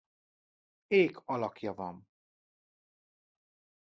Ék alakja van.